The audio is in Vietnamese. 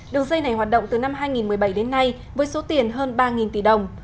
đường dây này hoạt động từ năm hai nghìn một mươi bảy đến nay với số tiền hơn ba tỷ đồng